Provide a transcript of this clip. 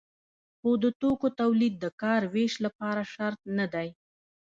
خو د توکو تولید د کار ویش لپاره شرط نه دی.